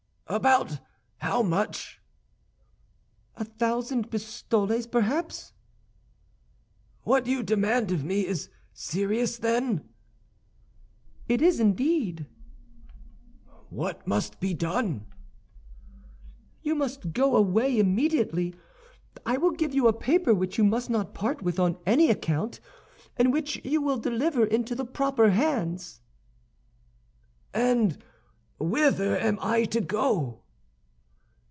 "About how much?" "A thousand pistoles, perhaps." "What you demand of me is serious, then?" "It is indeed." "What must be done?" "You must go away immediately. I will give you a paper which you must not part with on any account, and which you will deliver into the proper hands." "And whither am I to go?"